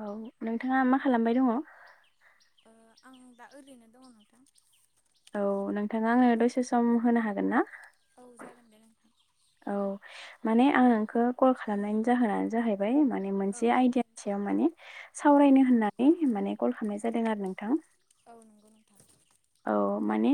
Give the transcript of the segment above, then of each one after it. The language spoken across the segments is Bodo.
औ नोंथाङा मा खालामबाय दङ'? ओ आं दा ओरैनो दङ' नोंथां। औ नोंथाङा औ आनो द'से सम होनो हागोन ना? औ जागोन दे नोंथां औ माने आं नोंखो कल खालामनायनि जाहोनानो जाहै बाय माने औ मोनसे आयदियानि सायाव माने औ सावरायनो होन्नानै माने कल खालामनाय जादों आरो नोंथां। औ नंगौ नोंथां। औ माने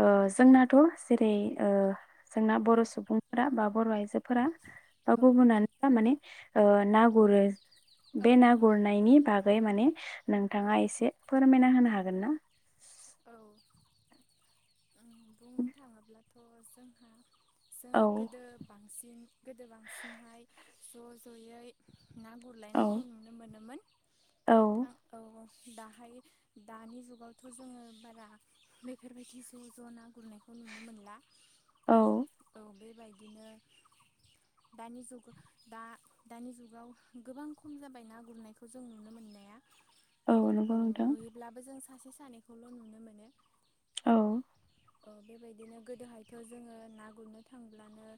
ओ जोंनाथ' जेरै ओ जोंना औ बर' सुबुंफोरा बा बर' आइजोफोरा बा औ गुबुनानो जा माने ओ‌ ना गुरो। औ बे ना नंगौ गुरनायनि बागै माने औ नोंथाङा एसे फोरमायना होनो हागोन ना? औ ओम बुंनो थाङोब्लाथ' जोंहा औ जोङो गोदो बांसिन गोदो बांसिनहाय ज' ज'यै‌ ना औ गुरलायनायखौ नुनो मोनोमोन औ नोंथां। औ औ दाहाय दानि जुगावथ' जोङो बारा बेफोरबायदि ज' ज' ना गुरनायखौ नुनो मोनला औ बेबायदिनो दानि जुग दा दानि जुगाव गोबां खम जाबाय ना गुरनायखौ जों नुनो मोननाया। नंगौ औ नोंथां नुयोब्लाबो जों सासे सानैखौल' नुनो मोनो। औ ओ बेबायदिनो गोदोहायथ' जोङो ना गुरनो थांब्लानो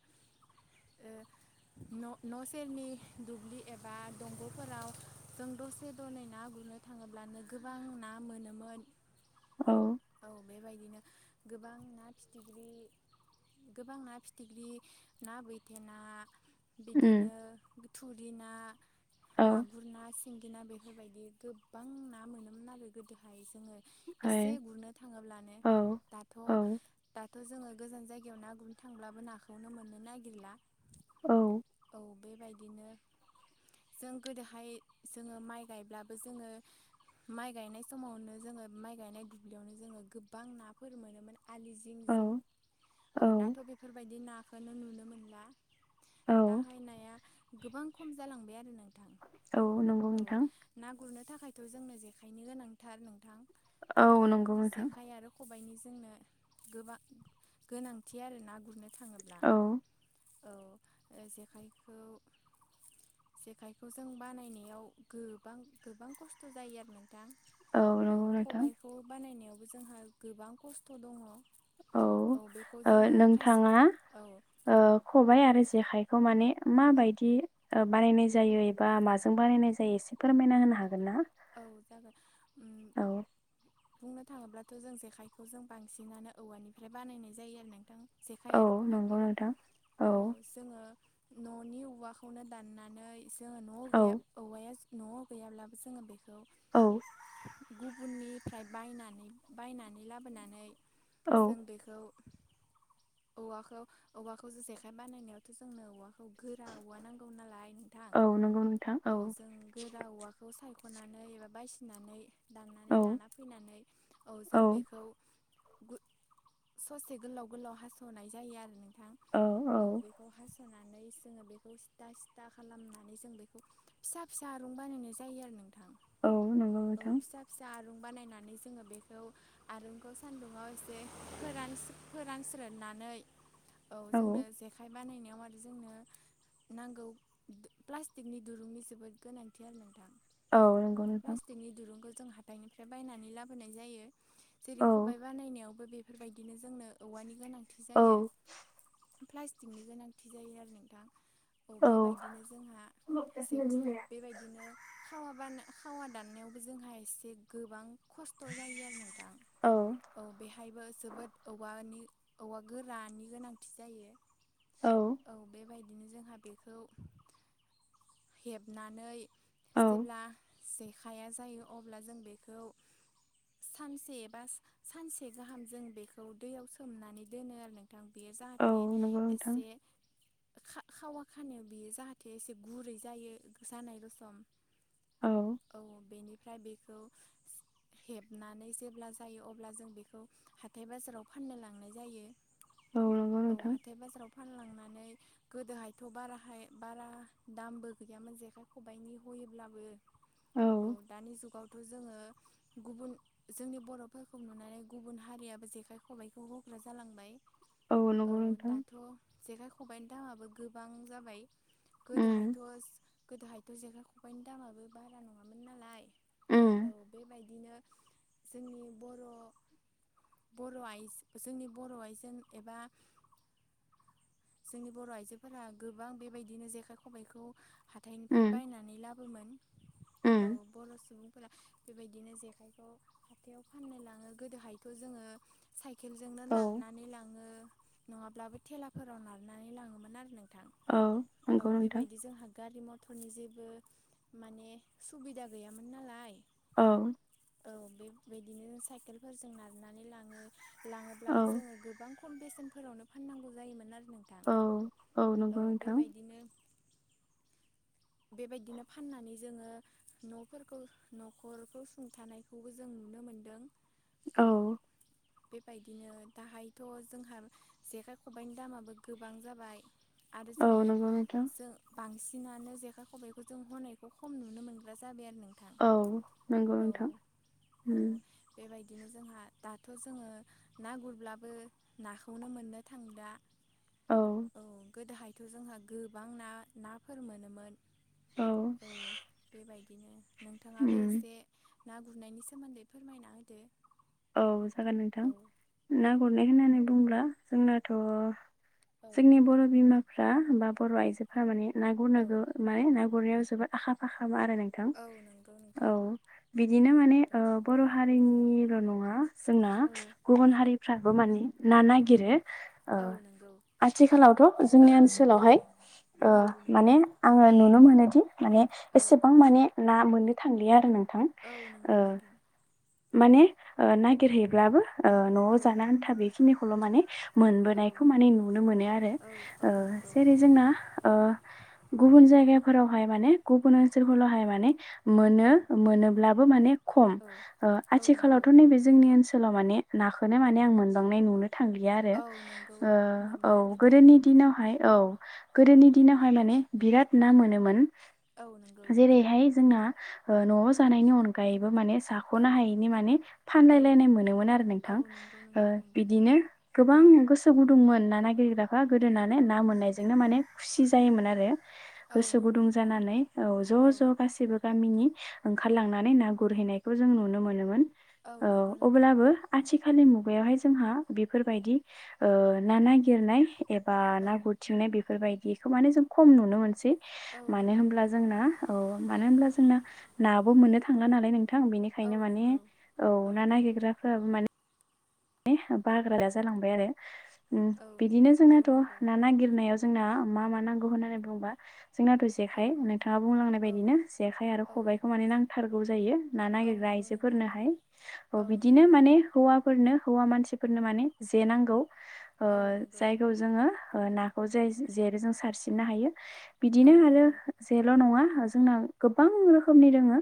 ओ [inaudible] न' न' सेरनि दुब्लि एबा दंग'फोराव जों दसे दनै ना गुर नो थाङोब्लानो गोबां ना मोनोमोन औ बेबायदिनो गोबां ना फिथिग्रि गोबां ना फिथिग्रि, ना बैथे ना उम बिदिनो थुरि ना, औ मागुर ना, सि सिंगि ना बेफोरबायदि गोबां ना मोनोमोन आरो गोदोहाय जोङो। ओइ एसे गुरनो थाङोब्लानो औ दाथ' औ दा थ' जोङो गोजान जायगायाव नाखौनो गुरनो थांब्लाबो नाखौनो मोननो नागिरला। औ औ बेबायदिनो जों गोदोहाय जोङो माइ गायब्लाबो जोङो माइ गायनाय समावनो जोङो माइ गायनाय दुब्लियावनो जोङो गोबां नाफोर मोनोमोन। आलि जिं औ जिं औ दाथ' बेफोरबायदि नाखौ नो नुनो मोनला। औ दाहाय नाया गोबां खम जालांबाय आरो नों औ नंगौ नोंथां। गुरनो थाखायथ' जोंनो जेखायनो गोनांथार नोंथां औ नोंगौ नोंथां जेखाइ आरो खबाइनि जोंनो गोबां गोनांथि आरो ना गुरनो थाङोब्ला। औ औ जेखाइखौ जेखाइखौ जों बानायनायाव गोबां गोबां खस्थ' जायो आरो नों थां औ नंगौ नोंथां खबाय बानायनायावबो जोंहा गोबां खस्थ' दङ। औ बेखौ ओ जोङो खायसे नोंथाङा औ ओ खबाय आरो जेखाइखौ माने माबायदि बानायनाय औ जायो एबा माजों बानायनाय जायो एसे फोरमायना होनो हागोन ना? औ जागोन। उम औ बुंनो थाङोब्लाथ' जों जेखायखौ जों बांसिनानो औवानिफ्राय बानायनाय जायो आरो ना। जेखाइ औ आरो नंगौ खबायखौ नोंथां औ जोङो। न'नि औवाखौनो दाननानै जोङो न' औ गैया औवाया न'आव गैयाब्लाबो जोङो बे औ गुबुननिफ्राय बायनानै बायनानै लाबोनानै औ जों बेखौ औवाखौ औवाखौ जेखाइ बानायनायावथ' जोंनो औवा औ गोरा औवा नांगौ नालाय नोंथां, औ नंगौ नोंथां औ जों गोरा औवाखौ साय ख'नानै एबा बासिनानै दांनानै औ लाना फैनानै औ जों बेखौ गु ससे गोलाव गोलाव हास'नाय जायो आरो नो थां औ बेखौ हास' [inaudible] जोङो बेखौ सिथा सिथा खालामनानै जों बेखौ फिसा फिसा आरुं बानायनाय जायो आरो नों औ नोंगौ मोथां आरुं बानायनानै जोङो बेखौ आरुंखौ सान्दुंङाव एसे फोरान फोरानस्रो नानै औ जों जेखाय बानाय नायाव आरो जोंनो नांगौ प्लास्टिकनि दुरुंनि जोबोद गोनांथि आरो नोंथां। औ नंगौ नोंथां। प्लास्टिकनि दुरुंखौ जों हाथाइनिफ्राय बायनानै लाबोनाय जायो जेरै औ खबाइ बानायनायाव बेफोरबायदिनो जोंनो औवानि गोनां औ प्लास्टिकनि गोनांथि जायो आरो नोंथां। औ बेबायदिनो जोंहा औ जे बेबायदिनो खावा बा खावा दाननायावबो जोंहा एसे गोबां खस्थ' जायो आरो नोंथां औ औ बेहायबो जोबोद औवानि औवा गोरानि गोनांथि जायो औ बेबायदि बिदिनो जोंहा बेखौ हेबनानै जेब्ला जेखाइया जायो अब्ला जों बेखौ सानसे बा सानसे गाहाम जों बेखौ दैयाव सोमनानै दोनो आरो नोंथां बेयो औ जाहाथे नंगौ नोंथां एसे खा खावा खानायाव बियो जाहाथे एसे गुरै जायो जानाय रसम औ औ बेनिफ्राय बेखौ हेबनानै जेब्ला जायो अब्ला जों बेखौ हाथाय बाजाराव फाननो लांनाय जायो। औ नंगौ औ नोंथां हाथाय बाजाराव [inaudible] ओमफाय गोदोहायथ' बाराहाय बारा दामबो गैयामोन जेखाय खबाइनि हयोब्लाबो औ दानि जुगाव जोङो गुबुन जोंनि बर'फोरखौ नुनानै गुबुन हारियाबो जेखाइ खबाइखौ हग्रा जा जालांबाय। औ नगौ नोंथां। जेखाइ खबायाइनि दामाबो गोबां जाबाय। उम गोदोहायथ' गोदोहायथ' जेखाइ खबाइनि दामाबो बारा नङामोन नालाय। औ उम बेबायदिनो जोंनि बर' बर' आइ जोंनि बर' आइजों एबा जोंनि बर' आइजोफोरा गोबां बेबायदिनो जेखाइ खबायखौ हाथायनिफ्राय उम बायनानै लाबोमोन। औ उम बर' सुबुंफोरा बेबायदिनो जेखाइखौ हाथायाव फाननो लाङो गोदोहायथ' जोङो साइकेलजोंनो औ नार नानै लाङो नङाब्लाबो थेलाफोराव नारनानै लाङोमोन आरो नों थां। औ औ नंगौ नोंथां बेबायदि जोंहा गारि मथरनि जेबो माने सुबिदा गैयामोन नालाय। औ औ बे बिदिनो साइकेलफोरजों नारनानै लाङो औ लाङोब्लाबो जोङो गोबां खम बेसेन फोरावनो फाननांगौ जायोमोन आरो नोंथां। औ औ नंगौ नोंथां बेबायदिनो बेबायदिनो फाननानै जोङो न'फोरखौ न'खरखौ सुंथानायखौबो जों नुनो मोनदों औ। बेबायदिनो दाहायथ' जोंहा जेखाइ खबायनि दामाबो गोबां जाबाय आरो औ जोङो नंगौ नोंथां जों बांसिनानो जे खाइ खबाइखौ जों हनायखौ खम नुनो मोनग्रा जाबाय आरो नों औ नंगौ नोंथां। बिदिनो जोंहा दाथ' जोङो ना गुरब्लाबो नाखौनो मोननो थांला। औ। गोदोहायथ' जोंहा गोबां ना नाफोर मोनोमोन। औ बेबायदि बिदिनो नोंथाङा बे उम एसे ना गुरनायनि सोमोन्दै फोरमायना होदो? औ जागोन नोंथां, औ ना गुरनाय होननानै बुंब्ला जोंनाथ' औ जोंनि बर' बिमाफ्रा बा बर' आइजोफोरा माने ना औ गुरनो माने ना गुरनायाव जोबोर आखा-फाखा खा आरो नोंथां औ नंगौ नोंथां औ बिदिनो माने बर' हारिनिल' न ङा जोंना औ गुबुन हारिफ्राबो माने ना नागिरो। ओ औ नंगौ आथिखालावथ' जोंनि ओनसोलावहाय ओ औ नंगौ माने आङो नुनो मोनोदि माने औ एसेबां माने ना मोन मोननो थांलिया आरो नोंथां। औ ओ नंगौ नोंथां माने नागेरहै ब्लाबो ओ न'आव औ जानो आन्था बेखिनिखौल' माने औ मोनबोनायखौ माने नुनो मोनो आरो। औ औ ओ नंगौ जेरै जोंना ओ गुबुन जायगाफोरावहाय माने गुबुन ओनसोलफोरावहाय माने मोनो औ मोनोब्लाबो माने खम। औ ओ औ नंगौ आथिखालावथ' नैबे जोंनि ओनसोलाव माने नाखौननो माने आं मोनबांनाय नुनो थांलिया आरो। औ नंगौ ओ औ मोनलानोदि गोदोनि दिनावहाय, औ औ गोदोनि दिनावहाय माने बिराद ना मोनोमोन। औ नंगौ जेरैहाय जोंना ओ न'आव जानायनि अनगायैबो माने औ जाख'नो हायैनि माने औ नायलायनाय मोनोमोन आरो औ नोंथां नंगौ ओ नोंथां नंगौ बिदिनो गोबां गोसो गुदुंमोन ना नागिरग्रा फ्रा गोदोनानै औ ना मोननायजोंनो माने खुसि जायोमोन आरो। औ गोसो नंगौ गुदुं नोंथां जानानै औ ज' ज' गासैबो गामिनि ओंखारलांनानै ना गुरहैनायखौ जों नुनो मोनोमोन। औ नंगौ नोंथां अब्लाबो आथिखालनि मु गायावहाय जोंहा बेफोरबायदि ओ ना नागिरनाय एबा औ ना गुरथिंनाय बेफोरबायदिखौ माने जों खम नुनो मोनसै। औ मानो नंगौ होनब्ला जोंना औ मानो होनब्ला जोंना नाबो मोननो थांला नालाय नों थां औ बेनिखायनो माने नंगौ औ ना नागिरग्राफ्रा माने बाग्रा जालांबाय आरो। उम औ बिदिनो औ जोंनाथ' नंगौ ना नागिरनायाव जोंना मा मा नांगौ होननानै बुंबा जोंनाथ' औ जेखाय नोंथाङा बुंलांनाय औ बायदिनो जेखाइ आरो औ खबाइखौ माने नांथारगौ जायो ना औ नागिरग्रा नंगौ नोंथां आइजोफोरनोहाय औ बिदिनो नंगौ माने हौवाफोरनो हौवा मानसिफोरनो माने जेनांगौ ओ औ नंगौ जायखौ जोङो ना जाय जेर जों सारसिननो हायो बिदिनो औ आरो नंगौ जेल' नङा जो जोंना गोबां रोखोमनि रोङो।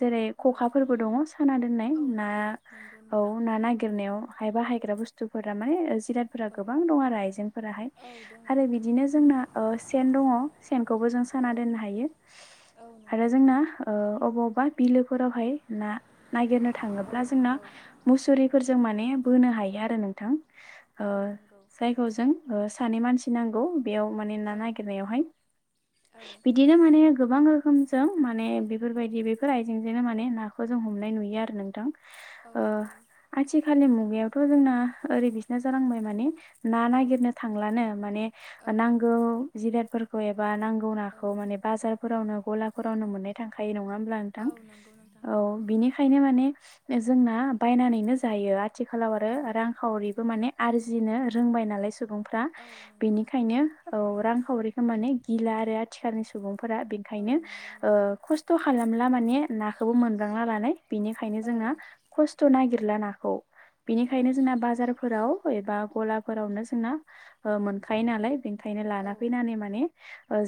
जेरै औ खखाफोरबो दङ साना दोननाय औ ना नंगौ नंगौ औ नोंथां ना नागिरनायाव बाहायग्रा बुसथु फोरा माने जो फोरा औ गोबां दं आरो आइजें फोरा हाय औ दङ आरो बिदिनो जोंना ओ सेन दङ सेनखौबो जों औ साना दोन्नो हायो औ आरो नंगौ जोंना ओ अबाव बा बिलोफोरावहाय ना नागिरनो औ थाङोब्ला जोंना नंगौ मुसुरिफोरजों माने बोनो हायो आरो नोंथां ओ औ नंगौ जायखौ जों ओ सानै मानसि नांगौ बेयाव माने ना औ नागिरनायावहाय औ बिदिनो माने गोबां रोख खोमजों माने बेफोरबायदि बेफोर आइजेंजोंनो माने नाखौ जों हमनाय नुयो आरो नोंथां। औ ओ नंगौ आथिखालनि मुगायावथ' जोंना ओरै बिसना जालांबाय माने ना औ नागिरनो थांलानो माने औ नांगौ जिरादफोरखौ एब बा नांगौ औ नाखौ माने बाजारफोरावनो गलाफोरावनो मोननाय थांखायो नङा ओम ब्ला नोंथां औ नंगौ नोंथां औ नंगौ बिनिखायनो माने जोंना बायनानैनो जायो आर आथिखालाव आरो औ रांखावरिबो माने आरजिनो रोंबाय नालाय सु बुंफ्रा औ नंगौ बेनिखायनो औ रांखावरिखौ माने गिला आरो आथिखालनि सुबुं फोरा औ बेखायनो नंगौ ओ नोंथां खस्थ' खालामला माने नाखौबो मोनबांला नालाय। बिनिखायनो औ जोंना खस्थ' नागिरला नाखौ औ बिनिखायनो जोंना बाजारफोराव फै बा गलाफोरावनो जोंना ओ मोनखायो नालाय बेनिखायनो औ लाना फैनानै माने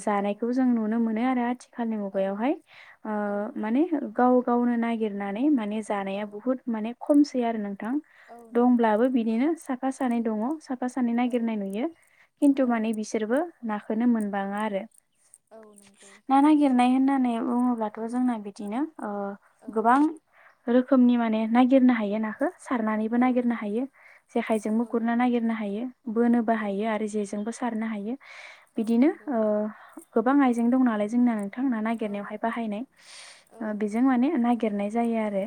जानायखौ जों नुनो मोनो आरो आथिखालनि औ मुगायाव हाय ओ नंगौ माने गाव गावनो ना नागिरनानै माने औ जानाया बुहुत माने खमसै आरो नों थां औ नंगौ दंब्लाबो नंगौ बिदिनो नोंथां साफा सानै दङ साफा सानै औ नागिरनाय नुयो। खिन्थु औ माने बिसोरबो ना खौनो मोनबाङो आरो औ नंगौ नागिरनाय होननानै बुङोब्ला दाथ' जोंना बिदिनो औ गोबां रोखोमनि माने नागिरनो हायो नाखो सारनानैबो औ नागिरनो नंगौ हायो जेखायजोंबो औ गुरनो नागिरनो हायो बोनोबो औ हायो आरो नंगौ जेजोंबो सा सारनो हायो औ बिदिनो नंगौ ओ गोबां आइजें दं नालाय जोंना बिथांमोना नागिरनायावहाय बाहायनाय औ बेजों माने नागिरनाय जायो आरो।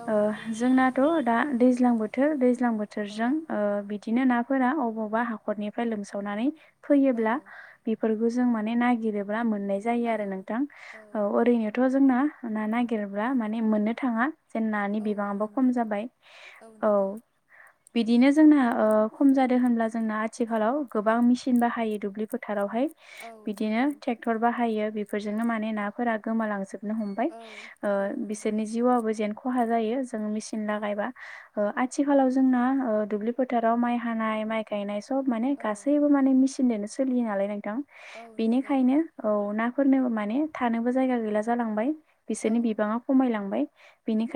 औ ओ नंगौ नोंथां जोंनाथ' दा दैज्लां बोथोर दैल्जां औ बोथोरजों ओ बिदिनो ना फोरा अबावबा हाखरनिफ्राय लोमसावनानै औ फैयोब्ला बेफोर खौ जों माने ननायागिरोब्ला मोननाय जायो औ आरो नोंथां औ ओरैनोथ' जोंना। थांना नागिरब्ला माने मोननो थाङा जेन नानि औ बिबाङाबो खम मोननो जाबाय। औ नंगौ। बिदिनो जोंना ओ खम औ जादों होनब्ला जोंना आथिखालाव गोबां मेसिन बाहायो दुब्लि फोथा थारावहाय औ बिदिनो नंगौ ट्रेक्टर बाहायो बेफोरजोंनो माने नाफोरा गोमालांजोब नो हमबाय औ ओ औ नंगौ बिसोरनि नोंथां जिउबो जेन खहा जायो जोंङो मेचिन औ लागायबा। ओ आथिखालाव जोंना ओ दुब्लि फोथाराव माइ हानाय माइ गायनाय स सब माने औ गासैबो माने मेसिनजोंनो सोलियो नालाय नोंथां औ नंगौ बेनिखायनो औ ना फोरनोबो माने थानोबो जायगा गैला जालांबाय। बिसोरनि औ बिबाङा खमायलांबाय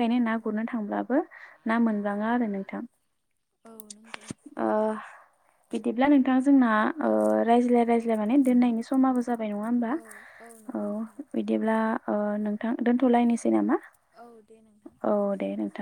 औ ना नंगौ गुरनो नोंथां थांब्लाबो ना मोनबाङा आरो नोंथां औ नंगौ ओ बिदिब्ला नोंथां जोंना ओ औ रायज्लाय रायज्लाय माने दोन्नायनि समाबो जा जाबाय नङा होमबा औ औ नंगौ नोंथां बिदिब्ला ओ नोंथां दोनथ'लायनोसै नामा। औ दे नोंथां। औ दे नोंथां